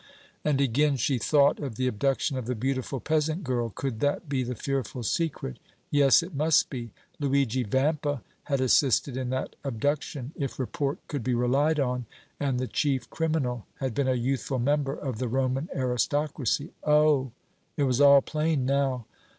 And again she thought of the abduction of the beautiful peasant girl. Could that be the fearful secret? Yes, it must be. Luigi Vampa had assisted in that abduction, if report could be relied on, and the chief criminal had been a youthful member of the Roman aristocracy. Oh! it was all plain now.